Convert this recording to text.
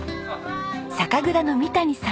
酒蔵の三谷さん